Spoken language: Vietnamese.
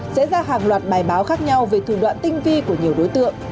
sẽ ra hàng loạt bài báo khác nhau về thủ đoạn tinh vi của nhiều đối tượng